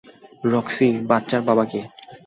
Roxie, বাচ্চার বাবা কে?